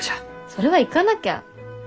それは行かなきゃ。